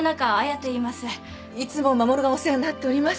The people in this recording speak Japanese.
いつも護がお世話になっております。